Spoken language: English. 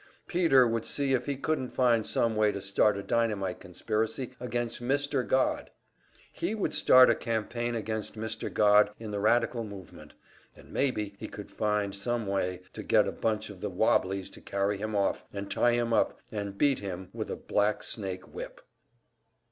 Peter would see if he couldn't find some way to start a dynamite conspiracy against Mr. Godd! He would start a campaign against Mr. Godd in the radical movement, and maybe he could find some way to get a bunch of the "wobblies" to carry him off and tie him up and beat him with a black snake whip!